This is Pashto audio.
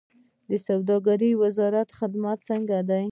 د سوداګرۍ وزارت خدمات څنګه دي؟